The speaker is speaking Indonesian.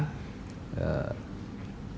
masa iya juga mau berkolusi